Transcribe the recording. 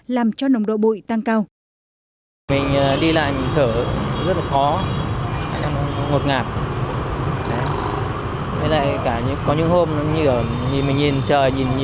làm cho nồng độ bụi tăng cao